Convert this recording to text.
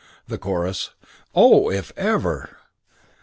The chorus, "Oh, if ever!"